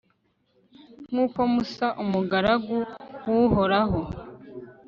nk'uko musa, umugaragu w'uhoraho